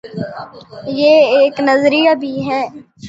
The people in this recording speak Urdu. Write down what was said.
یہ ایک نظریہ بھی ہے